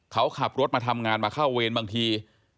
เขาขับรถมาทำงานมาเข้าเวรบางที